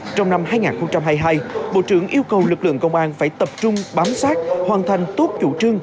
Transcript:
trong năm hai nghìn hai mươi hai bộ trưởng yêu cầu lực lượng công an phải tập trung bám sát hoàn thành tốt chủ trương